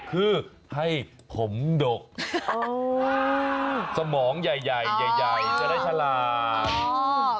คือให้ผมดกสมองใหญ่ใหญ่จะได้ฉลาด